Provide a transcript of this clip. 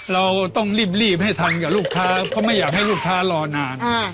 เราต้องรีบให้ทันกับลูกค้าเขาไม่อยากให้ลูกค้ารอนาน